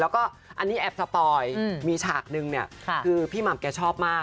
แล้วก็อันนี้แอบสปอยมีฉากนึงเนี่ยคือพี่หม่ำแกชอบมาก